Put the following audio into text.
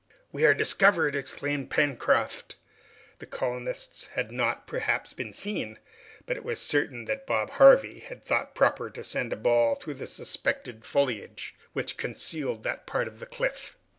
"We are discovered!" exclaimed Pencroft. The colonists had not, perhaps, been seen, but it was certain that Bob Harvey had thought proper to send a ball through the suspected foliage which concealed that part of the cliff.